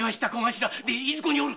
でいずこにおる？